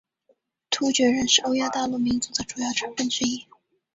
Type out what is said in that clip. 突厥人是欧亚大陆民族的主要成份之一。